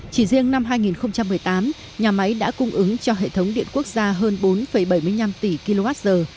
chỉ riêng năm hai nghìn một mươi tám nhà máy đã cung ứng cho hệ thống điện quốc gia hơn bốn bảy mươi năm tỷ kwh